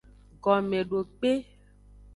Gomedokpe.